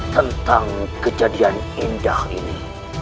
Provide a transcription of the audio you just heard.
tentang kejadian indah ini